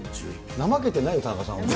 なまけてないよ、田中さん。